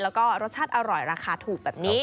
แล้วก็รสชาติอร่อยราคาถูกแบบนี้